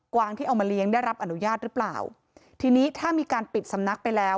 วางที่เอามาเลี้ยงได้รับอนุญาตหรือเปล่าทีนี้ถ้ามีการปิดสำนักไปแล้ว